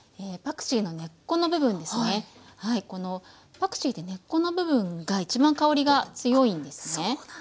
パクチーって根っこの部分が一番香りが強いんですね。